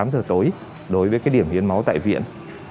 tám h tối đối với điểm hiên máu tại viện